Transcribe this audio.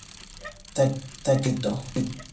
Takeshi Saito